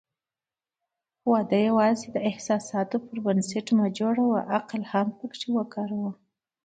واده یوازې د احساساتو پر بنسټ مه جوړوه، عقل هم پکې وکاروه.